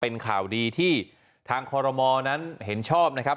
เป็นข่าวดีที่ทางคอรมอนั้นเห็นชอบนะครับ